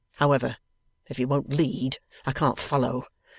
However, if he won't lead, I can't follow.